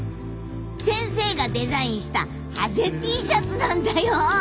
先生がデザインしたハゼＴシャツなんだよ。